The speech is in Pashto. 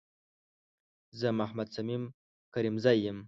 زه محمد صميم کريمزی یم